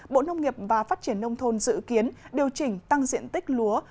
bộ nông nghiệp và phát triển nông thôn dự kiến điều chỉnh tăng diện tích lúa